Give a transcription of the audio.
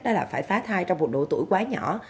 đó là phải phá thai trong một độ tuổi quá nhỏ